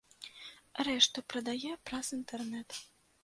Рэшту прадае праз інтэрнэт.